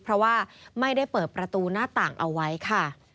เพราะว่าไม่ได้เปิดประตูหน้าต่างเอาไว้ค่ะ